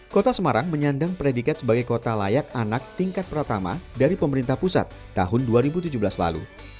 kota semarang menyandang predikat sebagai kota layak anak tingkat pertama dari pemerintah pusat tahun dua ribu tujuh belas lalu